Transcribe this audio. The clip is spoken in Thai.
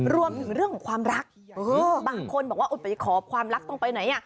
รวมถึงเรื่องของความรักบางคนบอกว่าไปขอความรักตรงไปไหน